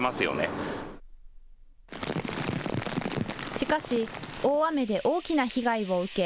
しかし大雨で大きな被害を受け